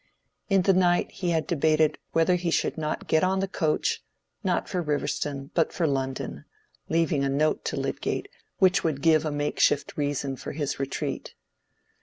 In the night he had debated whether he should not get on the coach, not for Riverston, but for London, leaving a note to Lydgate which would give a makeshift reason for his retreat.